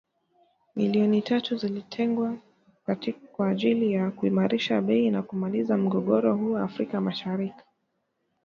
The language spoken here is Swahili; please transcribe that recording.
Milioni tatu zilizotengwa kwa ajili ya kuimarisha bei na kumaliza mgogoro huo Afrika Masharik